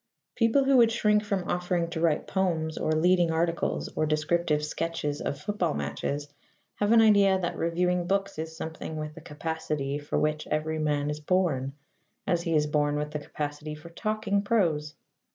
People who would shrink from offering to write poems or leading articles or descriptive sketches of football matches, have an idea that reviewing books is something with the capacity for which every man is born, as he is born with the capacity for talking prose.